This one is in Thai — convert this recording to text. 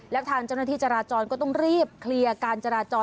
แล้วทางเจ้าหน้าที่จราจรก็ต้องรีบเคลียร์การจราจร